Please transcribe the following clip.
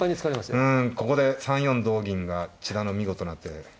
うん「ここで３四同銀が千田の見事な手」